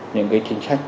những cái chính sách